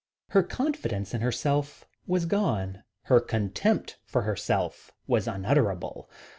Her confidence in herself was gone. Her contempt of herself was unutterable.